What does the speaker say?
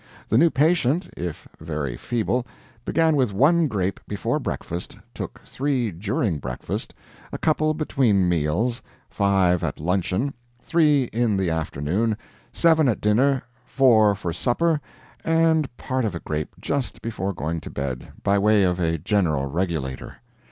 The new patient, if very feeble, began with one grape before breakfast, took three during breakfast, a couple between meals, five at luncheon, three in the afternoon, seven at dinner, four for supper, and part of a grape just before going to bed, by way of a general regulator.